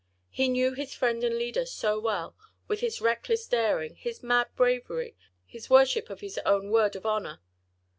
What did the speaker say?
He knew his friend and leader so well, with his reckless daring, his mad bravery, his worship of his own word of honour.